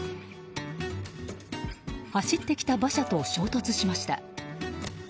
走ってきた馬車と衝突しました。